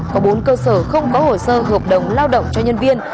có bốn cơ sở không có hồ sơ hợp đồng lao động cho nhân viên